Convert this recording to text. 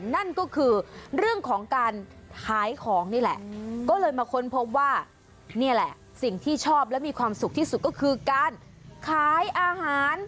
นั่นก็คือเรื่องของการขายของนี่แหละก็เลยมาค้นพบว่านี่แหละสิ่งที่ชอบและมีความสุขที่สุดก็คือการขายอาหาร